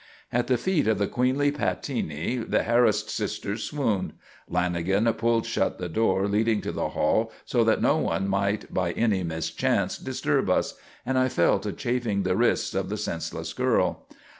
At the feet of the queenly Pattini the harassed sister swooned. Lanagan pulled shut the door leading to the hall so that no one might by any mischance disturb us, and I fell to chafing the wrists of the senseless girl.